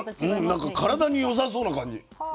なんか体によさそうな感じ。は。